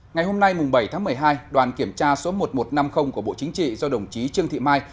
ngày hôm nay bảy tháng một mươi hai đoàn kiểm tra số một nghìn một trăm năm mươi của bộ chính trị do đồng chí trương thị mai